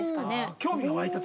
興味が湧いた時。